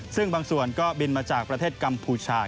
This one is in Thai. ซึ่งบางส่วนก็บินมาจากประเทศกัมพูชา